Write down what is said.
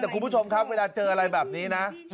แต่คุณผู้ชมครับเวลาเจออะไรแบบนี้นะ